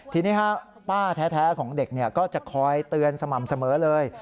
ทีนี้ป้าแท้ของเด็กก็จะคอยเตือนสม่ำเสมอเลย